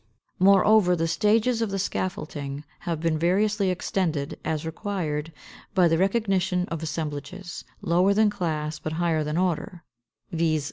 534. Moreover, the stages of the scaffolding have been variously extended, as required, by the recognition of assemblages lower than class but higher than order, viz.